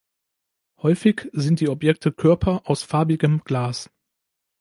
Häufig sind die Objekte Körper aus farbigem Glas.